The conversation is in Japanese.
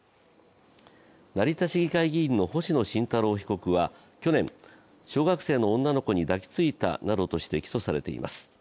成田市議会議員の星野慎太郎被告は去年、小学生の女の子に抱きついたなどとして起訴されています。